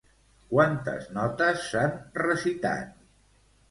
Quantes notes s'han recitat?